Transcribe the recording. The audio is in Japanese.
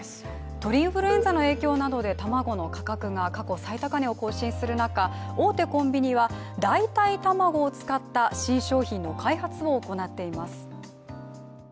鳥インフルエンザなどの影響で卵の価格が過去最高値を更新する中、大手コンビニは代替卵を使った新商品の開発を行っています。